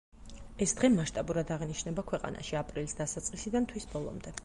ეს დღე მასშტაბურად აღინიშნება ქვეყანაში: აპრილის დასაწყისიდან თვის ბოლომდე.